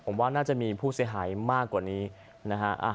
ผมว่าน่าจะมีผู้เสียหายมากกว่านี้นะฮะ